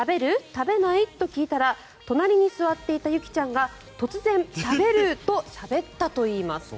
食べない？と聞いたら隣に座っていたゆきちゃんが突然、「食べる」としゃべったといいます。